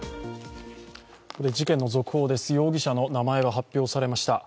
ここで事件の続報です容疑者の名前が発表されました。